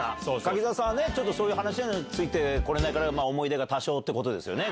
柿澤さんはね、そういう話についてこれないから、想い出が多少ってことですよね。